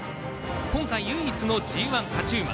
今回唯一のＧＩ勝ち馬。